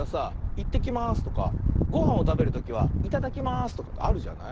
「いってきます」とかごはんをたべるときは「いただきます」とかってあるじゃない？